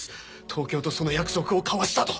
東京とその約束を交わしたと。